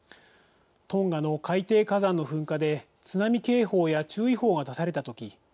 トンガの海底火山の噴火で津波警報や注意報が出されたとき